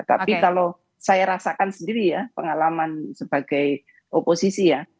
tapi kalau saya rasakan sendiri ya pengalaman sebagai oposisi ya